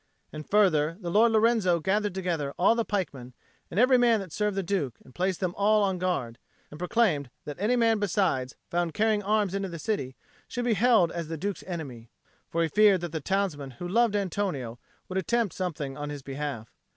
And, further, the Lord Lorenzo gathered together all the pikemen and every man that served the Duke, and placed them all on guard, and proclaimed that any man besides found carrying arms in the city should be held as the Duke's enemy. For he feared that the townsmen who loved Antonio would attempt something on his behalf.